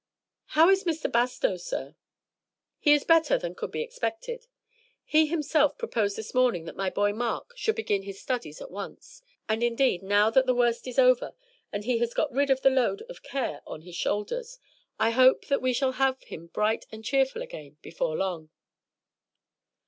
"How is Mr. Bastow, sir?" "He is better than could be expected. He himself proposed this morning that my boy Mark should begin his studies at once; and, indeed, now that the worst is over and he has got rid of the load of care on his shoulders, I hope that we shall have him bright and cheerful again before long."